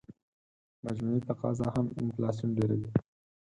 مجموعي تقاضا هم انفلاسیون ډېروي.